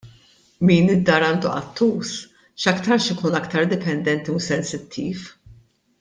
Min id-dar għandu qattus, x'aktarx ikun aktar dipendenti u sensittiv.